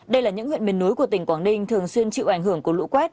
đây là những huyện miền núi của tỉnh quảng ninh thường xuyên chịu ảnh hưởng của lũ quét